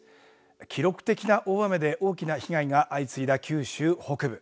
記録的な大雨で大きな被害が相次いだ九州北部。